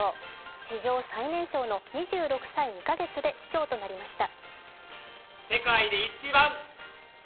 史上最年少の２６歳２か月で市長となりました。